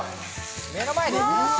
目の前で。